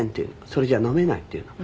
「それじゃ飲めない」って言うの。